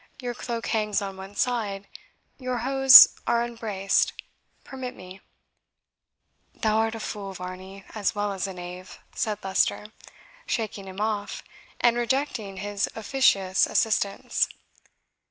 Your cloak hangs on one side your hose are unbraced permit me " "Thou art a fool, Varney, as well as a knave," said Leicester, shaking him off, and rejecting his officious assistance.